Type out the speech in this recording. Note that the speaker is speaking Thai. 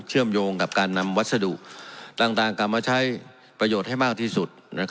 เชื่อมโยงกับการนำวัสดุต่างกลับมาใช้ประโยชน์ให้มากที่สุด